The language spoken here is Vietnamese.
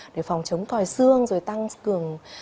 để phòng chống còi xương rồi tăng cường